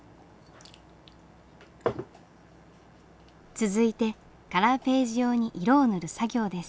続いてカラーページ用に色を塗る作業です。